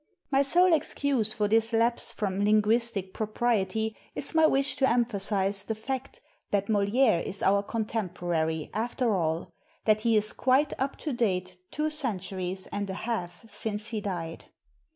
My sole excuse for this lapse from lin guistic propriety is my wish to emphasize the fact that Moliere is our contemporary, after all, that he is quite up to date two centuries and a half since he died.